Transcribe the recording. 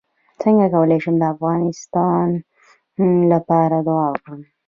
څنګه کولی شم د افغانستان لپاره دعا وکړم